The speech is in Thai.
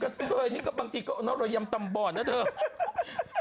ก็เธอนี่ก็บางทีก็น้อยยำตำบ่อนน่ะเถอะ